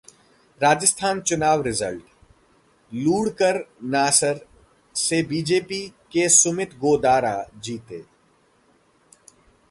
राजस्थान चुनाव रिजल्ट: लूणकरनसर से बीजेपी के सुमित गोदारा जीते